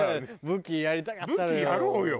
武器やりたかったのよ。